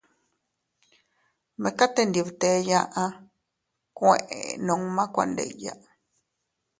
Mekatee ndi btee yaʼa kueʼe nunma kuandilla.